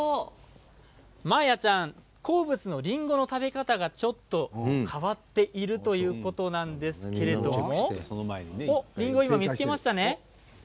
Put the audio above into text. マーヤちゃん、好物のりんごの食べ方がちょっと変わっているということなんですけれどりんごを見つけましたね。